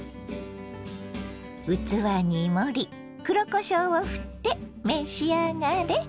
器に盛り黒こしょうをふって召し上がれ。